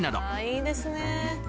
いいですね。